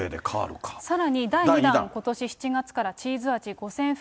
さらに第２弾、ことし７月からチーズあじ５０００袋。